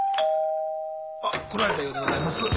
あっ来られたようでございます。